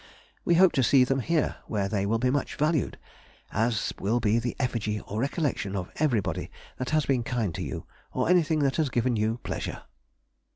We hope to see them here, where they will be much valued, as will be the effigy or recollection of everybody that has been kind to you, or anything that has given you pleasure....